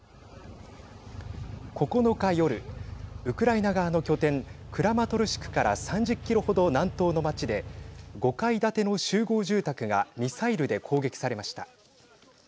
９日夜ウクライナ側の拠点クラマトルシクから３０キロほど南東の町で５階建ての集合住宅がミサイルで攻撃されました。